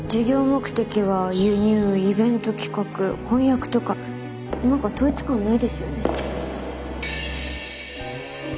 目的は輸入イベント企画翻訳とか何か統一感ないですよね。